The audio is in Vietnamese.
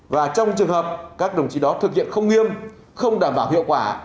và trong trường hợp các đồng chí đó thực hiện không nghiêm không đảm bảo hiệu quả